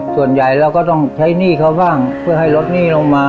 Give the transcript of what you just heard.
เราก็ต้องใช้หนี้เขาบ้างเพื่อให้ลดหนี้ลงมา